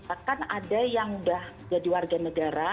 bahkan ada yang sudah menjadi warga negara